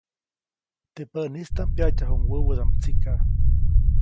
Teʼ päʼnistaʼm pyaʼtyajuʼuŋ wäwädaʼm tsika.